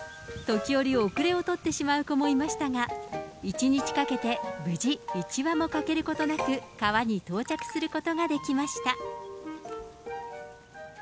時折、後れを取ってしまう子もいましたが、１日かけて無事、一羽もかけることなく、川に到着することができました。